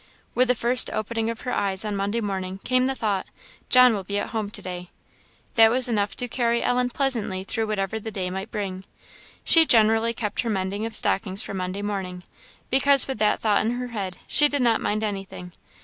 With the first opening of her eyes on Monday morning came the thought, "John will be at home to day!" That was enough to carry Ellen pleasantly through whatever the day might bring. She generally kept her mending of stockings for Monday morning, because with that thought in her head she did not mind anything.